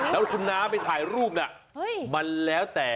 แล้วคุณน้าไปถ่ายรูปน่ะมันแล้วแต่